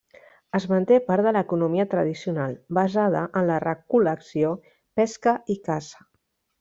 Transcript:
Es manté part de l'economia tradicional, basada en la recol·lecció, pesca i caça.